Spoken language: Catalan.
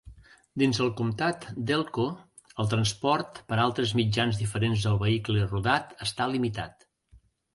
Dins el comtat d'Elko, el transport per altres mitjans diferents al vehicle rodat està limitat.